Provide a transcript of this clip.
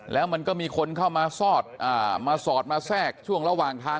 แล้วมันก็มีคนเข้ามาซอดมาสอดมาแทรกช่วงระหว่างทาง